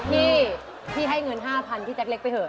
พี่พี่ให้เงิน๕๐๐พี่แจ๊กเล็กไปเถ